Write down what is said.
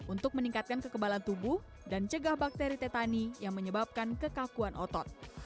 untuk meningkatkan kekebalan tubuh dan cegah bakteri tetani yang menyebabkan kekakuan otot